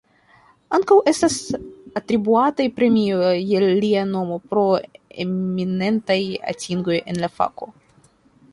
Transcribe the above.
Ankaŭ estas atribuataj premioj je lia nomo pro eminentaj atingoj en la fako.